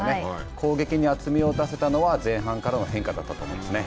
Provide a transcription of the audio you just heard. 攻撃に厚みを出せたのは前半からの変化だったと思いますね。